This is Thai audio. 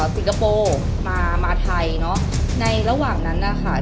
สิงคโปร์มามาไทยเนอะในระหว่างนั้นนะคะ